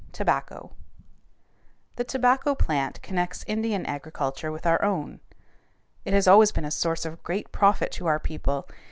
TOBACCO The tobacco plant connects Indian agriculture with our own. It has always been a source of great profit to our people.